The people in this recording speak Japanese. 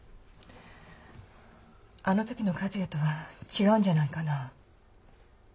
あの時の和也とは違うんじゃないかな。